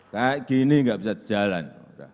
kayak gini nggak bisa jalan